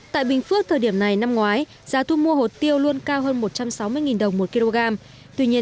tại bình phước thời điểm này năm ngoái giá thu mua hồt tiêu luôn cao hơn một trăm sáu mươi đồng một kg tuy nhiên